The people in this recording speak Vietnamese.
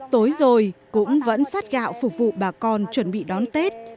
tối rồi cũng vẫn sắt gạo phục vụ bà con chuẩn bị đón tết